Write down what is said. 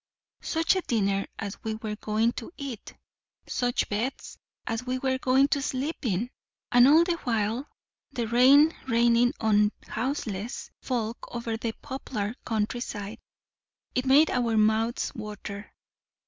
Such a dinner as we were going to eat! such beds as we were to sleep in!—and all the while the rain raining on houseless folk over all the poplared countryside! It made our mouths water.